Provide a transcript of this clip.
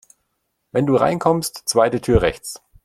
Wenn du reinkommst, zweite Tür rechts.